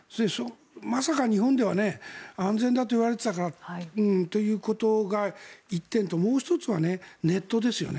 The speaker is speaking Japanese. まさか日本では安全だといわれていたからということが１点ともう１つはネットですよね。